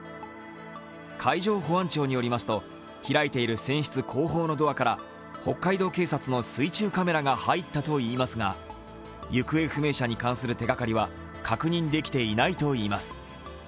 海上保安庁によりますと、開いている船室後方のドアから北海道警察の水中カメラが入ったといいますが行方不明者に関する手がかりは確認できていないといいます。